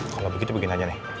kalau begitu begini aja nih